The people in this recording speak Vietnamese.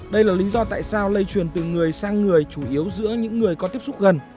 đây là lý do tại sao lây truyền từ người sang người chủ yếu giữa những người có tiếp xúc gần